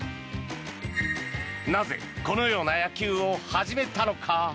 なぜこのような野球を始めたのか。